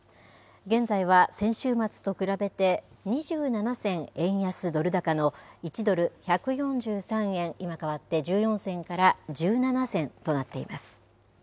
現在は先週末と比べて２７銭円安ドル高の１ドル１４３円、今変わって１４銭から１７銭となっています。